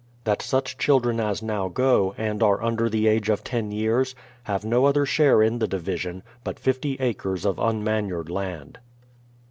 That such children as now go, and are under the age of ten years, have no other share in the division, but fifty acres of un manured land.